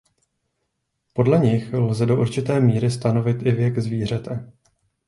Podle nich lze do určité míry stanovit i věk zvířete.